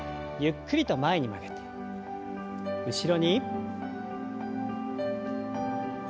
ゆっくりと前に曲げて後ろに。